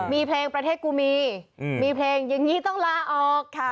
มีเพลงประเทศกูมีมีเพลงอย่างนี้ต้องลาออกค่ะ